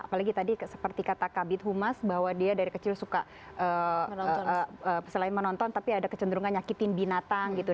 apalagi tadi seperti kata kabit humas bahwa dia dari kecil suka selain menonton tapi ada kecenderungan nyakitin binatang gitu